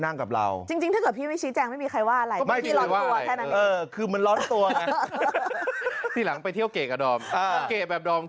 นั่งกับเพื่อนด้วยกัน